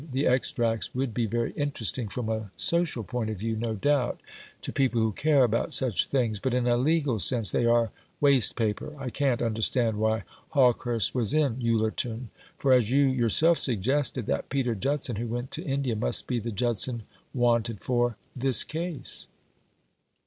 The extracts would be very interesting from a social point of view, no doubt, to people who care about such things; but in a legal sense they are waste paper. I can't understand why Hawkehurst was in Ullerton; for, as you yourself suggested, that Peter Judson who went to India must be the Judson wanted for this case."